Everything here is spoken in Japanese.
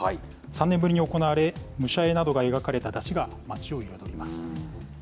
３年ぶりに行われ、武者絵などが描かれた山車が街を彩ります。